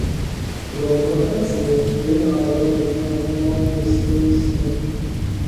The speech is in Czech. Pro mnohé z nich by návrat znamenal jistou smrt.